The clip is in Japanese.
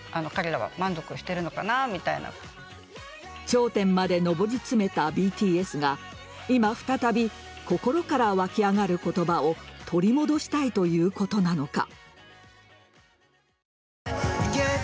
頂点まで上り詰めたＢＴＳが今、再び心から湧き上がる言葉を取り戻したいということなのか。